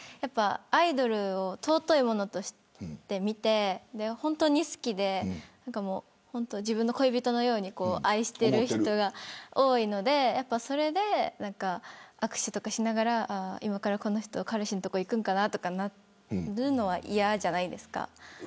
アイドルを尊いものとして見て本当に好きで自分の恋人のように愛してる人が多いのでそれで握手とかしながら今からこの人彼氏のところに行くのかなとかそうなるのは嫌じゃないですか。